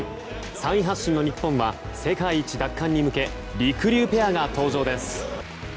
３位発進の日本は世界一奪還に向けりくりゅうペアが登場です。